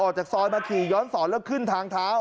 จากซอยมาขี่ย้อนสอนแล้วขึ้นทางเท้า